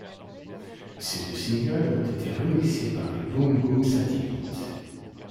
Ces deux singles ont été remixés par les Boom Boom Satellites.